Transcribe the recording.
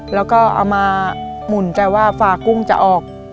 แล้วก็เอามาหมุนแต่ว่าฝากุ้งจะออก